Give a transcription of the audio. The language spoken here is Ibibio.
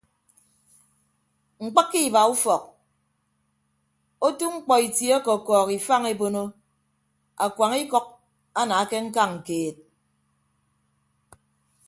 Mkpịkke iba ufọk otu mkpọ itie ọkọkọọk ifañ ebono akuañ ikʌk ana ke ñkañ keed.